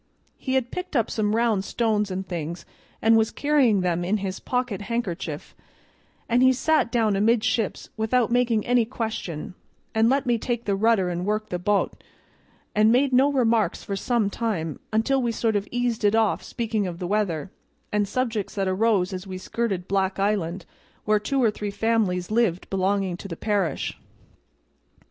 He had picked up some round stones and things and was carrying them in his pocket handkerchief; an' he sat down amidships without making any question, and let me take the rudder an' work the bo't, an' made no remarks for some time, until we sort of eased it off speaking of the weather, an' subjects that arose as we skirted Black Island, where two or three families lived belongin' to the parish.